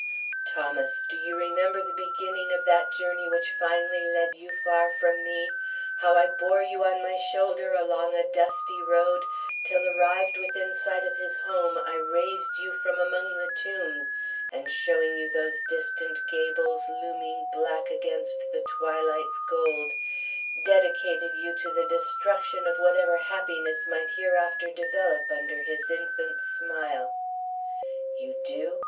Thomas, do you remember the beginning of that journey which finally led you far from me? How I bore you on my shoulder along a dusty road, till arrived within sight of his home, I raised you from among the tombs and, showing you those distant gables looming black against the twilight's gold, dedicated you to the destruction of whatever happiness might hereafter develop under his infant's smile? You do?